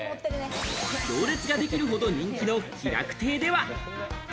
行列ができるほど人気の喜楽亭では。